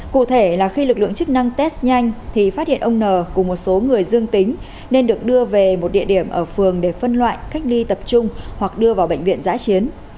cụ thể là khi lực lượng chức năng test nhanh thì phát hiện ông n cùng một số người dương tính nên được đưa về một địa điểm ở phường để phân loại cách ly tập trung hoặc đưa vào bệnh viện giã chiến